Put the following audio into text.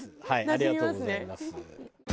ありがとうございます。